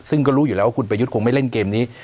ซึ่งก็รู้อยู่แล้วว่าคุณประยุทธ์คงไม่เล่นเกมนี้